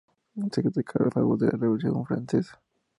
Se declaró a favor de la Revolución Francesa.